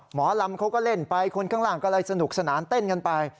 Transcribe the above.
หมอลำเขาก็เล่นไปคนข้างล่างก็เลยสนุกสนานเต้นกันไป